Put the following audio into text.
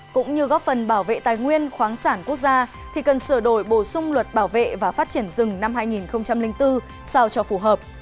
cũng như góp phần bảo vệ tài nguyên khoáng sản quốc gia thì cần sửa đổi bổ sung luật bảo vệ và phát triển rừng năm hai nghìn bốn sao cho phù hợp